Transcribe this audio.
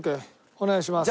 お願いします。